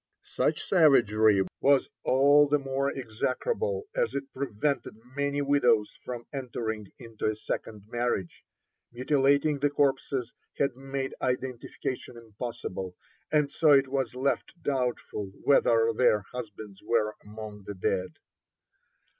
Such savagery was all the more execrable as it prevented many widows from entering into a second marriage. Mutilating the corpses had made identification impossible, and so it was left doubtful whether their husbands were among the dead.